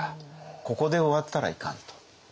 ここで終わったらいかん！と。